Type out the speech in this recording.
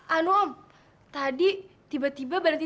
anu om tadi tiba tiba berhenti